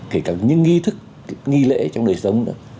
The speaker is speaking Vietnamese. kể cả những nghi lễ trong đời sống